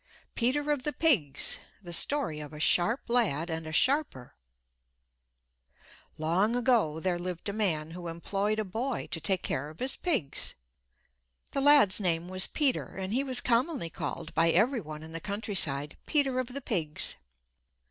PETER OF THE PIGS The Story of a Sharp Lad and a Sharper Long ago there lived a man who employed a boy to take care of his pigs. The lad's name was Peter and he was commonly called by every one in the countryside Peter of the pigs.